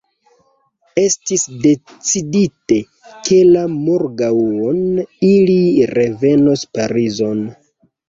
Estis decidite, ke la morgaŭon ili revenos Parizon.